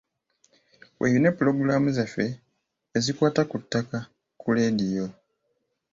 Weeyune Pulogulaamu zaffe ezikwata ku ttaka ku leediyo.